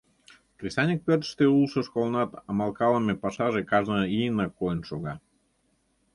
Кресаньык пӧртыштӧ улшо школынат амалкалыме пашаже кажне ийынак койын шога.